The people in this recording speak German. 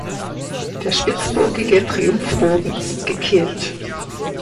Der spitzbogige Triumphbogen ist gekehlt.